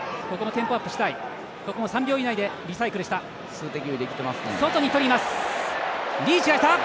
数的優位できてますね。